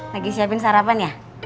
lagi siapin sarapan ya